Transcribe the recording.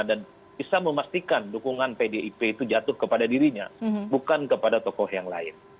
dan bisa memastikan dukungan pdip itu jatuh kepada dirinya bukan kepada tokoh yang lain